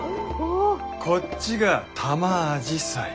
こっちがタマアジサイ。